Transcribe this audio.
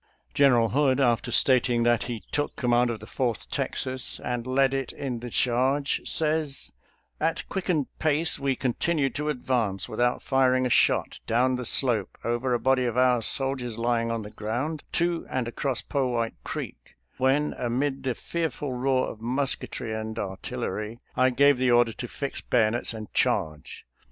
General Hood, after stating that he took com mand of the Fourth Texas and led it in the charge, says :" At quickened pace we continued to advance, without firing a shot, down the slope, over a body of our soldiers lying on the ground, to and across Powhite Creek, when, amid the fearful roar of musketry and artillery, I gave 308 SOLDIER'S LETTERS TO CHARMING NELLIE the order to fix bayonets and charge.